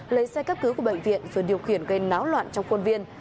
lấy xe cấp cứu của bệnh viện rồi điều khiển gây náo loạn trong khuôn viên